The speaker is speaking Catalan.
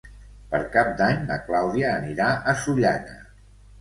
Per Cap d'Any na Clàudia anirà a Sollana.